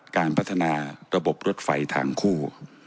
การพัฒนาระบบรถไฟทางคู่